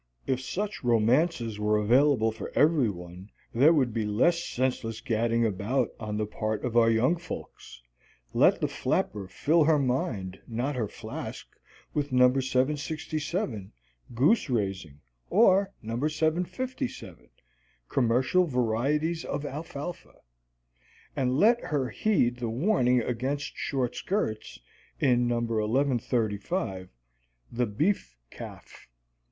If such romances were available for every one there would be less senseless gadding about on the part of our young folks. Let the flapper fill her mind, not her flask, with No. 767, "Goose Raising," or No. 757, "Commercial Varieties of Alfalfa." And let her heed the warning against short skirts in No. 1135, "The Beef Calf."